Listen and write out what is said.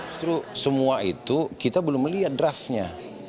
justru semua itu kita belum melihat draftnya